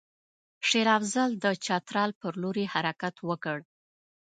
شېر افضل د چترال پر لوري حرکت وکړ.